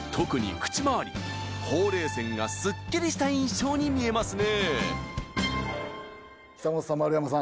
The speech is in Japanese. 口周りほうれい線がすっきりした印象に見えますね